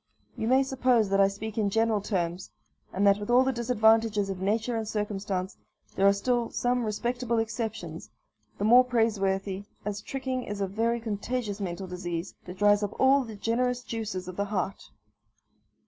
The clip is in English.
You may suppose that I speak in general terms; and that, with all the disadvantages of nature and circumstances, there are still some respectable exceptions, the more praiseworthy, as tricking is a very contagious mental disease, that dries up all the generous juices of the heart.